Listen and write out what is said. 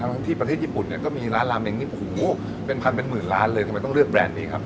ทั้งที่ประเทศญี่ปุ่นเนี่ยก็มีร้านลาเมงนี่โอ้โหเป็นพันเป็นหมื่นล้านเลยทำไมต้องเลือกแบรนด์นี้ครับ